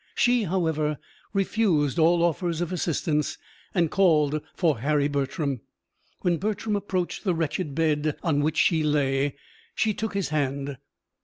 She, however, refused all offers of assistance, and called for Harry Bertram. When Bertram approached the wretched bed on which she lay, she took his hand.